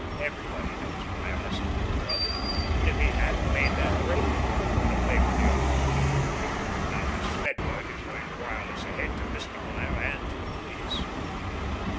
"Everybody knows Meyer hasn't a brother, and if he hadn't made that break he might have got away with the other one. But now this Smedburg is going to wireless ahead to Mr. Meyer and to the police."